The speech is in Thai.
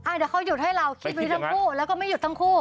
เดี๋ยวเขาหยุดให้เราคิดไว้ทั้งคู่แล้วก็ไม่หยุดทั้งคู่